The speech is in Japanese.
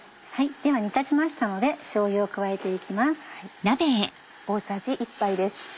では煮立ちましたのでしょうゆを加えて行きます。